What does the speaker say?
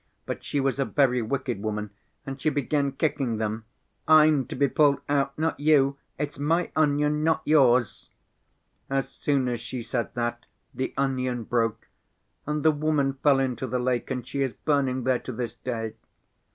But she was a very wicked woman and she began kicking them. 'I'm to be pulled out, not you. It's my onion, not yours.' As soon as she said that, the onion broke. And the woman fell into the lake and she is burning there to this day.